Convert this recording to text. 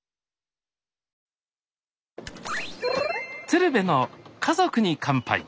「鶴瓶の家族に乾杯」。